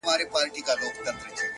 • نن دي سترګو کي تصویر را سره خاندي..